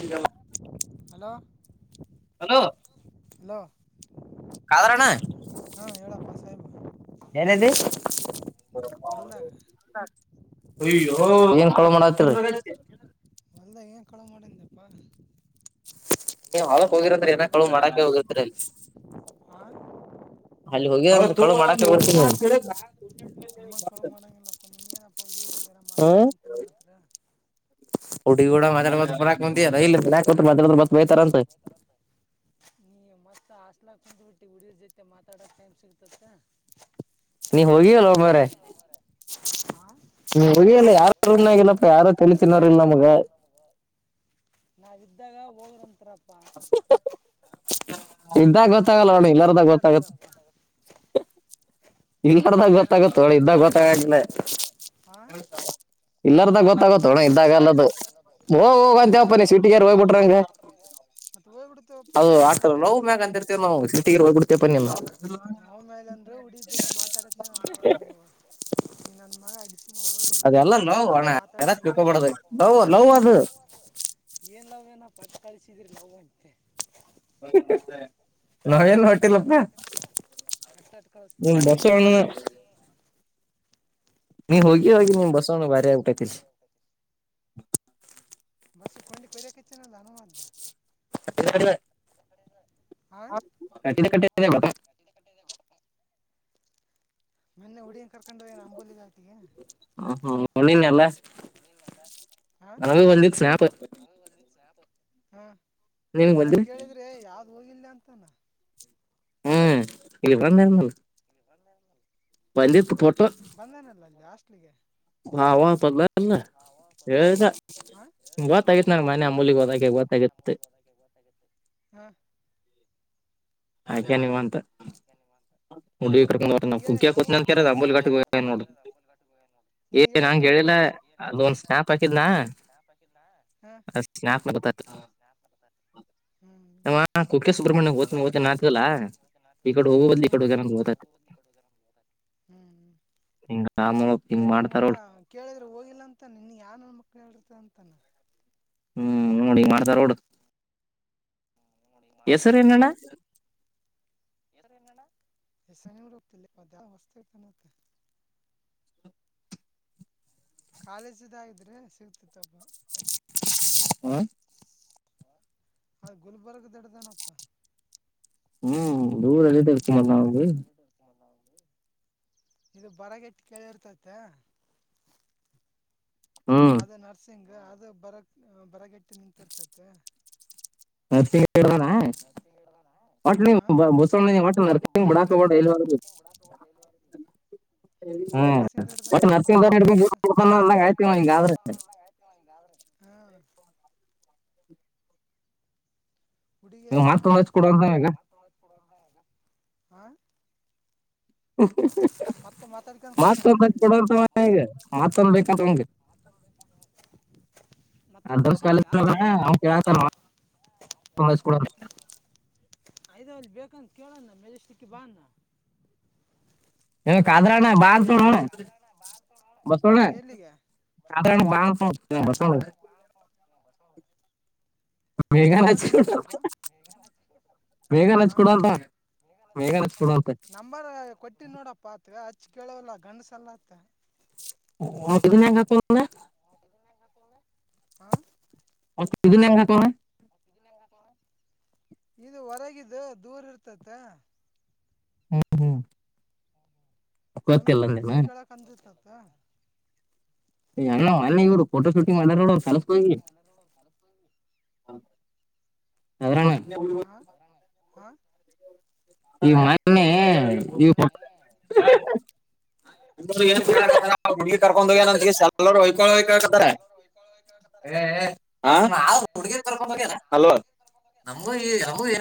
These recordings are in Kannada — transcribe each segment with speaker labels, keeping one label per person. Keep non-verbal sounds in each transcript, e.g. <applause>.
Speaker 1: Hello hello hello.
Speaker 2: ಕಾದರಣ್ಣ ಏನಂದಿ. <unintelligible> ಅಯ್ಯೋ ಏನ್ ಕಳು ಮಾಡಾತಿರಿ.
Speaker 1: ಕಳು ಮಾಡಿಂದಪ್ಪ.
Speaker 2: ಹೊಲಕ್ ಹೋಗಿರಂದ್ರ ಏನ ಕಳು ಮಾಡಕ ಹೋಗರ್ತೀರಲ್ಲಿ. ಅಲ್ಲಿ ಹೋಗಿಳ ಕಳು ಮಾಡಾಕಡ್ತೀನಿ.
Speaker 1: ನಿಮ್ಮಗ ಕಳು ಮಾಡಾಗಿಲ್ಲಪ್ಪಾ ನಿಮಗೇನಅಪ್ಪ ಉಡಿಯರಿ ಇದಾರ ಮಾತಾಡಕಂತ ಕುಂದಿರ್ತರ.
Speaker 2: ಹುಡಗಿಗೂಡ ಮಾತಾಡ್ಕೋತ ಕುಂದ್ರಕ್ ಬಂದೆ ನ ಇಲ್ಲಿ ಮನೆಯಾಗ ಮಾತಾಡುವುದು ಮತ ಬೈತಾರಂತ.
Speaker 1: ಅತ ನೀ <unintelligible> ಹಾಸ್ಟೆಲ್ಲ ದಾಗ ಕುಂತ ಬಿಟ್ಟ ಹುಡುಗಿ ಜೊತೆ ಮಾತಾಡ ಟೈಮ್ ಸಿಗ್ತತ್ತ.
Speaker 2: ನೀ ಹೋಗಿಲ್ಲಲೋ ಮರಾಯ. ನೀ ಹೋಗಿಯಲ್ಲ ಯಾರ ಹತ್ರ ಹೋಗ್ಲಿಲ್ಲ ನಾ ಯಾರ ತೆಲಿ ತಿನ್ನೋರ ಇಲ್ಲ ನಮ್ಗ. <unintelligible>
Speaker 1: ಈತಾಗ ಹೋಗ್ರಿ ಅಂತಾರ.
Speaker 2: <unintelligible> ಇದ್ದಾಗ ಗೊತ್ತಾಗಲ್ಲ ನೋಡ ಎಲ್ಲಾರದಾಗ ಗೊತ್ತಾಗತ್ತೆ. ಇರ್ಲಾದಾಗ ಗೊತ್ತಾಗುತ್ತೋ ಇದ್ದಾಗ ಗೊತ್ತಾಗಾಕಿಲ್ಲ.
Speaker 1: ಇರಲಾರದಾಗ ಗೊತ್ತಾಗತ ಅಣ್ಣಇದ್ದಾಗ ಅಲ್ಲ ಅದ ಮತ ಹೋಗ ಹೋಗ ಅಂತಿ ಸಿಟ್ಟಿಗೇರಿ ಹೊಗ್ಬಿಟ್ರೆ. ಹೋಗಿ ಬಿಡ್ತೀವಪ್ಪ ಬ್ಯಾಸ್ರ ನವ ಮೈಲ್ ಅಂದ್ರೆ. ಹುಡಿ ಜೊತೆ ಮಾತಾಡುಹೊತ್ನ್ಯಾಗ ಅಂತಾರಪ್ಪ ನೀವು. ನೀ ನನ್ನ ಮಗ ಹಡಸಿಮಗಾ ಹೋಗಿ ಇವರ ಹುಡುಗಿ ಜೊತೆ ಆರಾಮ್ಸ ಮಾತಾಡ್ತೀವಿ. ಏನ್ ಲವ್ ನ ಪಟ್ ಕಳಿಸಿದ್ರಿ ಲವ್ ಅಂತೆ.
Speaker 2: ನಾನೇನ್ ಹೊಂಟಿಲಪ್ಪ.
Speaker 1: <unintelligible> ಹ ಬಂಡಿ ಕೊ ಕೊಯ್ <unintelligible>
Speaker 2: <unintelligible> ತ್ತ <unintelligible>
Speaker 1: ಮೊನ್ನೆ ಹುಡಗಿನ್ ಕರ್ಕೊಂಡು ಅಂಬೂಲಿಗಾಟಿಗೆ.
Speaker 2: ನನ ಒ ಸ್ಪ <inaudible>
Speaker 1: ಹಾ ಮ ಕೇಳಿದ್ರೆ ಯಾವ್ದ್ ಹೋಗಿಲ್ಲ ಅಂತಾನ
Speaker 2: ಹ್ಮ ಇ ಬಂದ
Speaker 1: ಬಂದೇನಲ್ಲ ಅಲ್ಲಿ ಹಾಸ್ಟೆಲಿಗೆ
Speaker 2: ಹಾವ ಬದಲ <inaudible> ಹದಾ ಗೊತ್ತಾಗಿತ್ತು ನಂಗ ಮನ್ ಮೂಲಗ್ ಹತ್ತ ಗೊತ್ತಾಗಿತ್ತು
Speaker 1: ಹ್ಮ
Speaker 2: ಆಯಕೆ ನಿವಂತ ಹುಡುಗಿ ಕರ್ಕೊಂಡ್ರ ನ ಕು ಅಂತ ಅಂಬಲ್ಟ್ಟ ನೋಡ ಏ ನ ಹೇಳ ವೇಳ ಲೋ ಸ್ನಪ್ ಹಾಕಿದ್ದ ನ ಸ್ಪ್ ನಮ್ಮ ಕುಕ್ಕೆ ಸುಬ್ರಹ್ಮಣ್ಯ ಹೋತನ ಹ್ ನಾತದಲ್ಲಾ ಈ ಕಡೆ ಹೋಗುವದ್ ಈ ಕಡೆ ಹೋಗ ನಂಗೆ ಗೊತ್ತಾಯ್ತು
Speaker 1: ಹ್ಮ್ ನನಗ್ ಮಗ ಕೇಳಿದ್ರೆ ಹೋಗಿಲ್ಲ ಅಂತ ನಿನ್ ಯಾನ್ನ್ ಮಕ್ ಹೇಳ್ರಿ ಚತಂತನ <unintelligible>
Speaker 2: ಹ್ಮ್ ನೋಡಿ ಹಿಂಗೆ ಮಾಡ್ತಾರ ನೋಡು ಹೆಸರ್ ಎನಣ್ಣ
Speaker 1: ಹೆಸರೇ ಗೊತ್ತಿಲ್ಲ ಅದು <unintelligible> ಕಾಲೇಜದಾಗಿದ್ರೆ ಸಿಗ್ತಿತ್ತು
Speaker 2: ಹ್ಮ
Speaker 1: ಹ ಗುಲ್ಬರ್ಗ್ <unintelligible>
Speaker 2: ಹ್ಮ್ ದೂರಲ್ಲಿದ್ದ ಇರ್ತಿವ ನಾವು
Speaker 1: ಹಲ್ಲ <unintelligible> ಇದು ಬರಗಟ್ಟ ಕೇಳಿರ್ತತೆ ಅದ ನರ್ಸಿಂಗ್ ಅದ ಬರ ಬರಗಟ್ಟಿ ನಿಂತಿರ್ತತೆ
Speaker 2: ಹ <unintelligible> ಾನ ಹಟ್ ಬಸವ್ಣ ಹಲ್ಡಾಕಲ್ಲಿ <unintelligible> <inaudible> ಹ್ಮ ನರ್ಸಿಂಗಕೊಂಡ ಅಂದಾಗ ಆಯ್ತಿವ ಈಗಾದ್ರೆ ಹ
Speaker 1: ಹುಡುಗಿ ಇದಾಳ ಹಾ
Speaker 2: ಮತ್ತೊಂದು ಕೊಡ ಈಗ ಮತ್ತೊಂದು ಬೇಕತ್ತಂಗೆ <inaudible>
Speaker 1: ಅಯದ ಅಲ್ಲಿ ಬೇಕಂತ ಕೇಳಣ್ಣ ಮೆಜೆಸ್ಟಿಕ್ ಬಾ ಅನ್ನು
Speaker 2: ಹೇ ಖಾದರ್ ಅಣ್ಣ ಬಾ ಬಸವಣ್ಣ ಖಾದರ್ ಅಣ್ಣನ ಬಾ ಅನ್ನು
Speaker 1: ನಾ ಯಾಕ್ ಬರ್ಬೇಕಪ್ಪ ಹ ನಂಬರ್ ಕೊಟ್ಟನೋಡಪ್ಪ ಆತಾಗ ಹಚ್ ಕೇಳವಲ್ಲ ಗಂಡಸಲ್ಲತ್ತ <unintelligible>
Speaker 2: ಿನ <unintelligible> <inaudible>
Speaker 1: ಹ್ಮ
Speaker 2: ಇದನ ಹೆಂಗೆ ಆಕಾವ್ನೆ
Speaker 1: ಇದು ಹೊರಗಿದ್ದು ದೂರ್ ಇರ್ತತ್ತ
Speaker 2: ಹಾ ಹಾ
Speaker 1: ಸಮೀಪ ಇದ್ದು ಕೇಳಕ್ ಅಂದತತ್ತ
Speaker 2: ಫೋಟೋ ಶೂಟಿಂಗ್ ಮಾಡಾರ ನೋಡ ಅವರು ಕಲಸೋಗಿ ಅಲ್ಲಾನ
Speaker 1: ಹಾ ಹಾ
Speaker 2: ಈ ಮೊನ್ನೆ ಹುಡ್ಗಿ ಕರ್ಕೊಂಡೋಗ <unintelligible> ಹ ಹುಡ್ಗಿ ಕರ್ಕ್ಯ ಅಲ್ವ ನಾಮ್ ಊರಿಗೆ ಹುಡುಗಿ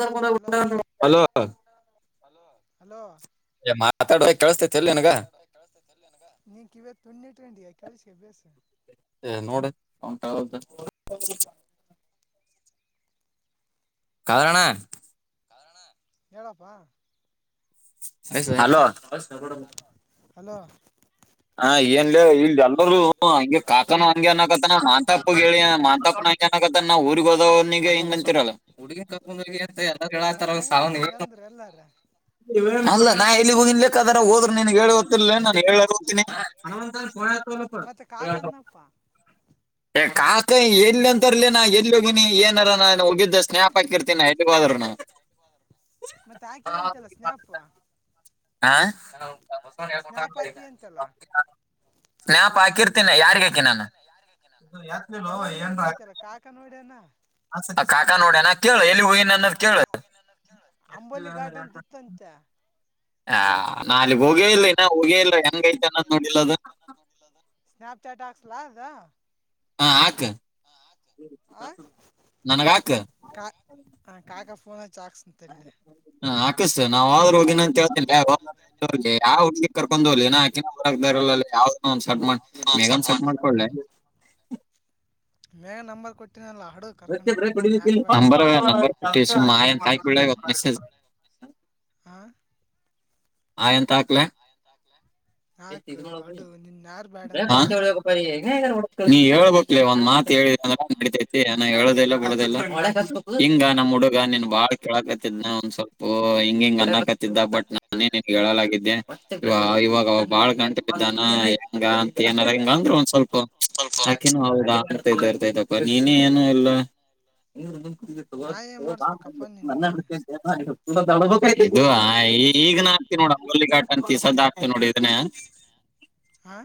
Speaker 2: ಕರ್ಕೊಂಡ್ ಹೋಗಿದನ ಹಲೋ ಹಲೋ
Speaker 1: ಹಲೋ
Speaker 2: ಹೇ ಮಾತಾಡಬ
Speaker 1: ನೀನ್ ಕಿವೇತ್ ತು್ಣ ಇಟ್ಂಡಿ ಕೆಳ್ಸಿ ಅ ಬ್ಯಸ
Speaker 2: ಹೇ ನೋಡ್ <unintelligible> ಕಾರಣ
Speaker 1: ಹೇಳಪ್ಪಾ
Speaker 2: ಹಲೋ
Speaker 1: ಹಲೋ
Speaker 2: ಹ ಏನ್ ಲೆ ಎಲ್ಲರು ಹಂಗೆ ಕಾಕನ ಹಂಗೆ ಅನಕತ್ತನ ಮಾಂತಪ್ಪ ಹೇಳಿ ಮಾಂತಾಪ್ಪನ ಹಂಗೆ ಅನಕತ ನಾ ಊರಿಗೆಗ್ ಹೋದ ಿಗೆಂಗ ಅಂತರಲ್ಲ ಹುಡ್ಗಿ ಕರ್ಕೊಂಡು ಹೋಗಿ ಅಂತ ಎಲ್ಲ ಹೇಳಾತಾರ ಸಾವಿಗೆ
Speaker 1: ಎಲ್ಲಾರ
Speaker 2: ಅಲ್ಲ ನಾ ಇಲ್ಲಿ ಹೋಗನ್ಲಿಕ್ಕ ಅದಾರ ಹೋದ್ರು ನಿನ್ಗ್ಗೆ ಹೇಳಿ ಗೊತ್ತಿಲ್ಲ ನಾನ್ ಹೇಳತೀನಿ
Speaker 1: ಮತ್ತೆ ಕಾಕಂದಪ್ಪ
Speaker 2: ಕಾಕ ಎಲ್ಲಿ ಅಂತರ್ಲೇ ನಾ ಎಲ್ಲಿ ಹೋಗೀಿನಿ ಏನಾರ ನಾನು ಹೋಗಿದ್ದ ಸ್ನ್ಯಾಪ್ ಹಾಕಿರ್ತೀನಾ ಎಲ್ಲಿ ಹೋದ್ರನು
Speaker 1: ಮತ್ತೆ ಆಕೆ ಎಂತೆಲ್ಲ ಸ್ನಾಪುವ
Speaker 2: ಹ ಸ್ನ್ಯಾಪ್ ಹಕ್ ಯಾರಿಗ ಹಾಕಿ ನಾನು ಯ ಏನ್ ಕಾಕಾ ನೋಡಣ ಕೇಳ ಎಲ್ಲಿ ಹೋಗಿನ ಅನ್ನದ್ ಕೇಳ ಎ ಹಾ ನಾ ಅಲ್ಲಿಗ್ ಹೋಗೇ ಇಲ್ರಿ ಇನ್ನ ಹೋಗೇ ಇಲ್ ಹೆಂಗ ೈತೆ ಅನ್ನ ನೋಡಿಲ್ಲದು
Speaker 1: ಸ್ನಾಪ್ ಚಾಟ್ ಆಾಕ್ಸ್ಲಾ ಇದಾ
Speaker 2: ಹಾ ಆಕ್ ನನಗೆ ಆಾಕ್
Speaker 1: ಪೋನ ಚಾಕ್ಸ್ ತಲ್ಲ
Speaker 2: ಹ ಹಾಕ್ಸು ನಾಾವ ಆದರು ಹೋಗಿಿನಂತ ಹೇಳ್ ಯಾವ ಹುಡ್ಗಿ ಕರ್ೊಂಡ ಹೋಗ್ಲಿ ನಾ ಹ ಸಟ್ ಮಾಡ ಮೇಗನ್ ಸಟ್ ಮಾಡ್ಕೊಡ್ೆ
Speaker 1: ಮೇಗ ನಂಬ ಕೊಚ್ಚಿ
Speaker 2: ನಂಬರ್ ಕೊಟ್ಟಿಲ್ಲ ಸುಮ್ನೆ ಇವತ್ತು ಹೈ ಅಂತ ಹಾಕಲಾ ಮಸಾಜ್ ಹ
Speaker 1: ಹ
Speaker 2: ಹೈ ಅಂತ ಹಾಕಲಾ
Speaker 1: ಹಾಕು ಹೌಡು ನಿನ್ ಯಾರ್ ಬ್ಯಾಡ ಅಂದಾರ ಹೇಳು
Speaker 2: ನೀ ಹೇಳ್ಬಕ್ಲ ಒಂದ್ ಮಾತ್ ಹೇಳಿದ ಅಂದ ನಡಿತೈತಿ ಏನ ಹೇಳುದಲ್ಲ ಬಿದಿಲ್ಲ ಹಿಂಗ ನಮ್ಮ ಹುಡ್ಗ ನೀನ್ ಬಾಳ್ ಕೇಕತಿದ್ ನ ಒಂದ್ ಸ್ೊಲ್ಪ ಹಿಂಗ ಹಿಂಗ್ ಅನ್ನಾಕತ್ತತಿದ್ದ ಬಟ್ ನ ಮನ ನಿನ್ಗೆ ಹೇಳಲಾಗಿದ್ದೆ ಇವ ಇವಾಗ ಬಾಳ್ ಗಂಟೆ ಬಿದ್ದಾನ ಹಂಗ ಅಂತ ಏನಾರ ಹಂಗ ಅಂದ್ರೆ ಒಂದ್ ಸ್ವಲ್ಪ ಆಕೆನು ಹೌದಾ ಅರ್ತೈತೆ ಅರ್ತೈತಪ್ಪ ನೀನೇ ಏನು ಎಲ್ಲ. <unintelligible> ಈಗ್ನ ಆಗ್ತಿ ನೋಡ ಅಂಗಲ್ಲಿ ಾಟ ಅಂತಿಸದ್ದ ಆಕ್ತಿ ನೋಡಿ ಇದನ
Speaker 1: ಹಾ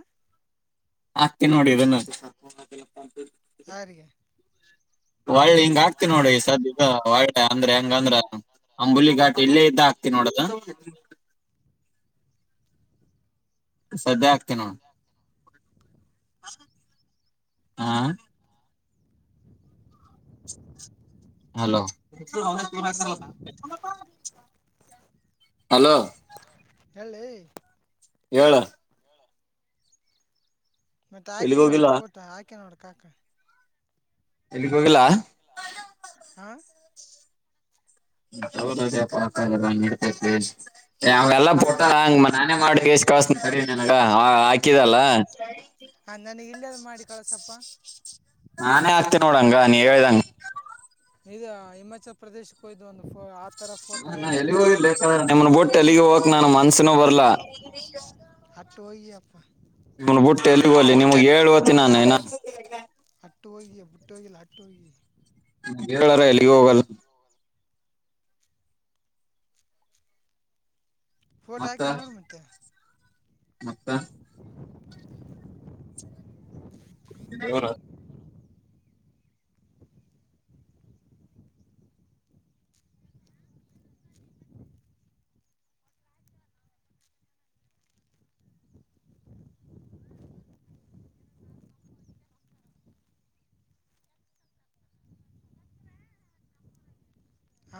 Speaker 2: ಅಕ್ತಿನಿ ನೋಡ ಇದನ್ನ ಒಳ್ಳೆ ಹಿಂಗ ಆಗ್ತಿ ನೋಡಿ ಸದ ಒೆ ಅಂದ್ರೆ ಹೆಂಗಂದ್ರ ಅಂಬುಲಿ ಘಾಟ್ ಇಲ್ಲೇ ಇದ್ದ ಹಾಕ್ತಿ ನೋಡದ ಸದ್ಯ ಆಗ್ತೀನಿ ನೋಡು ಹಾ ಹಲೋ ಹಲೋ
Speaker 1: ಹೇಳಲೇ.
Speaker 2: ಹೇಳ
Speaker 1: ಮತ್ತೆ ಹಾಕಿನಲ್ಲ ಫೋಟ ಹಾಕಿ ನೋಡ ಕಾಕ.
Speaker 2: ಎಲ್ಲಿಗೆ ಹೋಗಿಲ್ಲ.
Speaker 1: ಹಾ
Speaker 2: <inaudible> ಅವಲ್ಲಟ್ಟಂಗ ನಾನ ಮಾಡ <unintelligible> <unintelligible> ನನಗ ಹಾಕಿದಲ್ಲ.
Speaker 1: ಹ ನನ ಇಲ್ಲದ ಮಾಡಿಕಳಸಪ್ಪ.
Speaker 2: ನಾನೇ ಆಕ್ತನ ನೋಡಂಗ ನೀವ ಹೇಳ್ದಂಗ.
Speaker 1: ಇದು ಹಿಮಾಚಲ ಪ್ರದೇಶಕ್ಕೆ ಹಯ್ದು ಒಂದು.
Speaker 2: <inaudible> ನಿಮ್ಮನ್ ಬಟ್ಟ ಎಲ್ಲಿಗೆ ಹೋಗಕ್ ನಾನು ಮನ್ಸಿನೂ ಬರ್ಲ.
Speaker 1: ಟೋಯಪ್.
Speaker 2: ನಿ ಬುಟ್ಟಿ ಎಲ್ಲಿಗೋಗ್ಲಿ ಹೇಳೋಗ್ತಿನಾ.
Speaker 1: ಲಾಟೂ ಗೆ ಬೂಟೆ ಹೊ ಲಾ <unintelligible>
Speaker 2: ಹೇಳಾರ ಎಲ್ಲಿಗ ಹೋಗಲ್ಲ.
Speaker 1: ಫೋಟೋ ಅಕಿನ ನೋಡ ಮತೆ.
Speaker 2: ಮತ್ತ. ಬರ <inaudible>
Speaker 1: ಹ